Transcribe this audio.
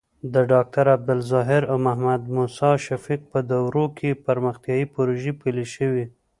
د ډاکټر عبدالظاهر او محمد موسي شفیق په دورو کې پرمختیايي پروژې پلې شوې.